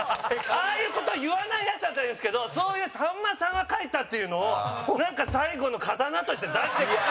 ああいう事を言わないヤツだったらいいんですけどそういうさんまさんが書いたっていうのを最後の刀として出してくる。